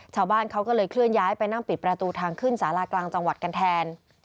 ชาวบ้านเขาก็เลยเคลื่อนย้ายไปนั่งปิดประตูทางขึ้นสารากลางจังหวัดกันแทน